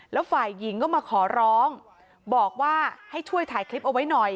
แล้วฝ่ายหญิงก็มาขอร้องบอกว่าให้ช่วยถ่ายคลิปเอาไว้หน่อย